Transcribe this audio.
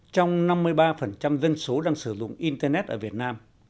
trong năm mươi ba dân số đang sử dụng internet ở việt nam